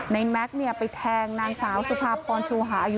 ในแม็กซ์เนี่ยไปแทงหนางสาวซุภาพภรชูหาอายุ๒๕